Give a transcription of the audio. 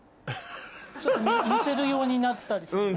ちょっと見せるようになってたりするので。